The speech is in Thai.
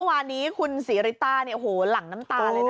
เมื่อวานนี้คุณศรีริต้านี่โอ้โหหลังน้ำตาเลยนะคะ